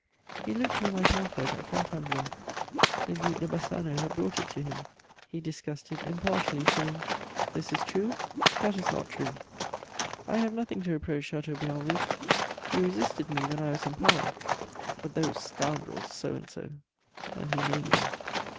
He looked through my pamphlet at Fontainebleau: the Duc de Bassano had brought it to him; he discussed it impartially, saying: "This is true; that is not true. I have nothing to reproach Chateaubriand with: he resisted me when I was in power; but those scoundrels, so and so!" and he named them.